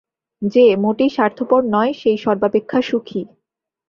যে মোটেই স্বার্থপর নয়, সেই সর্বাপেক্ষা সুখী।